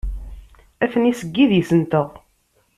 Atni seg yidis-nteɣ.